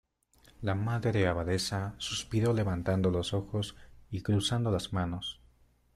la Madre Abadesa suspiró levantando los ojos y cruzando las manos: